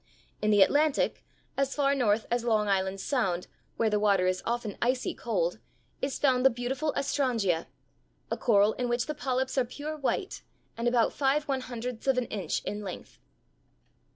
In the Atlantic, as far north as Long Island Sound, where the water is often icy cold, is found the beautiful Astrangia, a coral in which the polyps are pure white and about five one hundredths of an inch in length.